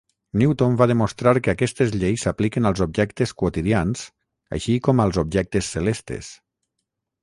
Newton va demostrar que aquestes lleis s'apliquen als objectes quotidians, així com als objectes celestes.